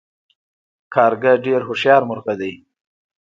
کارغه ډیر هوښیار مرغه دی